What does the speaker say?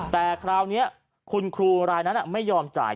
แต่คราวนี้คุณครูรายนั้นไม่ยอมจ่าย